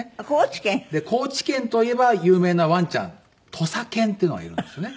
高知県といえば有名なワンちゃん土佐犬っていうのがいるんですよね。